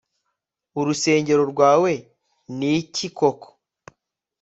urusengero rwawe ni ki koko